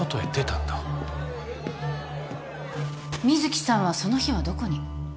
美月さんはその日はどこに？